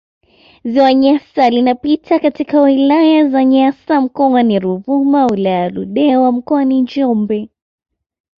Ziwa Nyasa linapita katika wilaya za Nyasa mkoani Ruvuma wilaya ya Ludewa mkoani Njombe